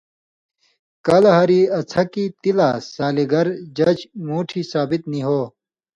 چے کلہۡ ہاریۡ اڅَھکیۡ تِلا ثالیۡگر (جج) مُوٹھی ثابِت نی ہو،